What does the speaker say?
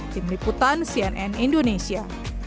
tim liputan cnn indonesia